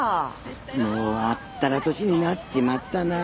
もうあったら年になっちまったなぁ。